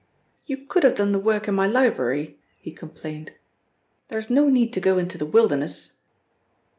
"You could have done the work in my library," he complained; "there is no need to go into the wilderness."